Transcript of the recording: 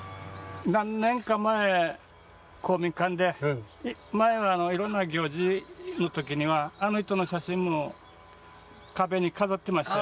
何年か前公民館で前はいろんな行事の時にはあの人の写真も壁に飾ってましたよ。